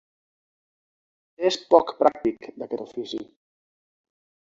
És poc pràctic d'aquest ofici.